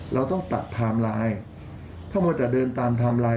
เราต้องตัดไทม์ไลน์ถ้ามัวแต่เดินตามไทม์ไลน์